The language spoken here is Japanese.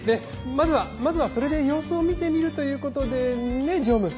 まずはまずはそれで様子を見てみるということでねぇ常務。